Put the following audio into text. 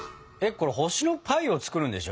これ星のパイを作るんでしょ？